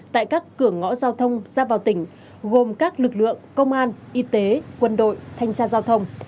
tại các cửa ngõ giao thông ra vào tỉnh gồm các lực lượng công an y tế quân đội thanh tra giao thông